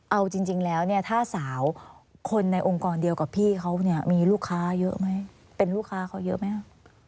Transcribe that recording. เอาจริงแล้วเนี่ยถ้าสาวคนในองค์กรเดียวกับพี่เขาเนี่ยมีลูกค้าเยอะไหมเป็นลูกค้าเขาเยอะไหมฮะ